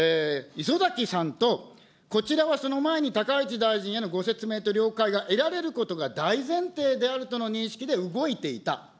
礒崎さんとこちらはその前に高市大臣へのご説明と了解が得られることが大前提であるとの認識で動いていた。